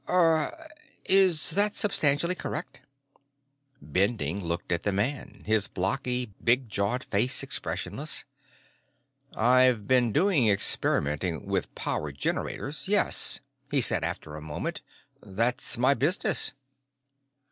Er ... is that substantially correct?" Bending looked at the man, his blocky, big jawed face expressionless. "I've been doing experimenting with power generators, yes," he said after a moment. "That's my business."